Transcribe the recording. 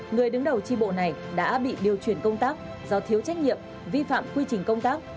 người đứng đầu tri bộ này đã bị điều chuyển công tác do thiếu trách nhiệm vi phạm quy trình công tác